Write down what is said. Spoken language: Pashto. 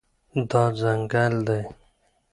دا ځنګل دی